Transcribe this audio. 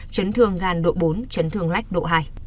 chấn thương gan độ bốn chấn thương lách độ hai